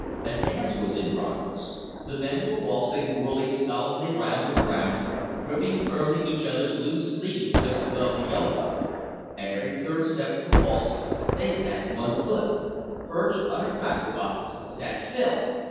A dance was in progress. The men were waltzing, whirling solemnly round and round, gripping firmly each other's loose sleeves just above the elbow. At every third step of the waltz they stamped one foot. Perched on a cracker box sat Phil.